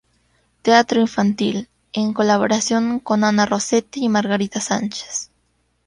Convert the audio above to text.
Teatro infantil, en colaboración con Ana Rossetti y Margarita Sánchez.